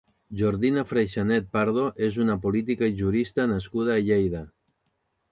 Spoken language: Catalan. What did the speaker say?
Jordina Freixanet Pardo és una política i jurista nascuda a Lleida.